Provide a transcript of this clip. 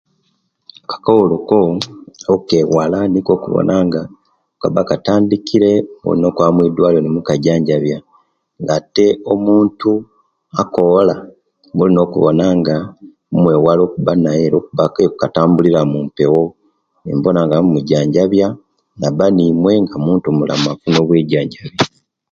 Kakoolo ko okewala nikwo okuwona nga kaba katandikire olina okwaba mwidwaliro nokajanjabya nate omuntu akoola mulina okuwona nga mumwewala okuba naye lwokuba katambulira munpewo nimubona nga mumujanjabya naba nimwe nga muntu mulamu afuna bwijanjabi